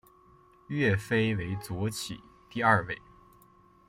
岳飞为左起第二位。